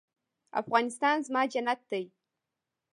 افغانستان زما جنت دی؟